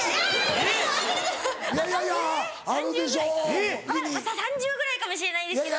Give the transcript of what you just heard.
えっ⁉３０ぐらいかもしれないですけど。